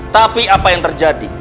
tapi apa yang terjadi